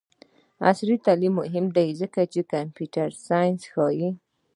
عصري تعلیم مهم دی ځکه چې د کمپیوټر ساینس ښيي.